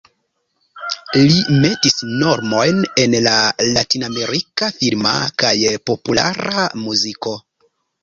Li metis normojn en latinamerika filma kaj populara muziko.